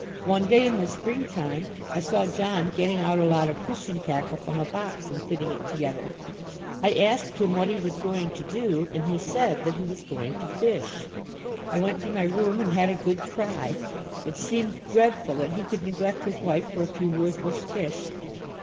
One day in the spring time I saw John getting out a lot of fishing tackle from a box and fitting it together. I asked him what he was going to do, and he said that he was going to fish. I went to my room and had a good cry. It seemed dreadful that he could neglect his wife for a few worthless fish.